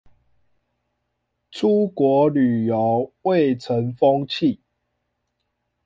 出國旅遊蔚成風氣